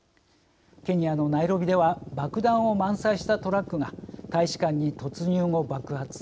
ケニアのナイロビでは爆弾を満載したトラックが大使館に突入後、爆発。